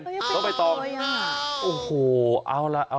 โดดไปต่อโอ้โฮเอาล่ะ